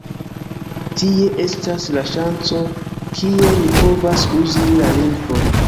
Tie estas la ŝanco, kie ni povas uzi la lingvon.